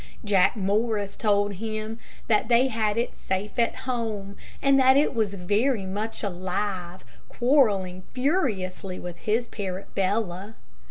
Jack Morris told him that they had it safe at home, and that it was very much alive, quarreling furiously with his parrot Bella.